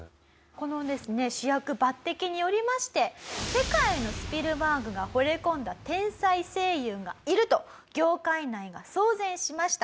このですね主役抜擢によりまして世界のスピルバーグがほれ込んだ天才声優がいると業界内が騒然しました。